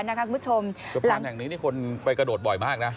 สะพานแห่งนี้คนนี้คนไปกระโดดบ่อยมากนะ